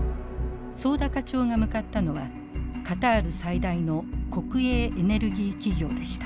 早田課長が向かったのはカタール最大の国営エネルギー企業でした。